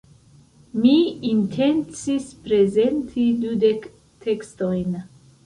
Mi intencis prezenti dudek tekstojn.